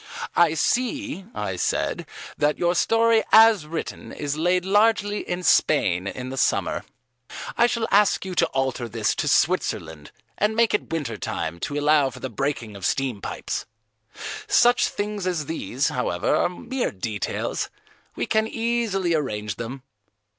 "I see," I said, "that your story as written is laid largely in Spain in the summer. I shall ask you to alter this to Switzerland and make it winter time to allow for the breaking of steam pipes. Such things as these, however, are mere details; we can easily arrange them."